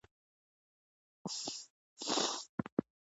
دوی د سوداګریزو فعالیتونو په انحصارولو سره نرخونه پورته کول